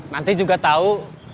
nanti juga tahu